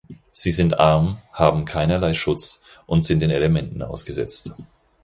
Sie sind arm, haben keinerlei Schutz und sind den Elementen ausgesetzt.